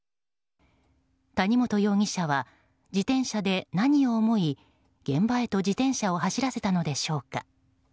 谷本容疑者は自転車で何を思い現場へと自転車を走らせたのでしょうか。